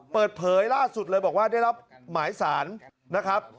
เปิดเผยล่าสุดเลยบอกว่าได้รับหมายสารนะครับ